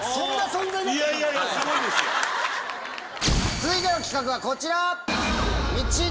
続いての企画はこちら！